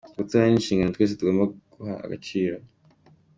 Gutora ni inshingano twese tugomba guha agaciro.